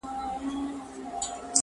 چوروندک ته هره ورځ راتلل عرضونه-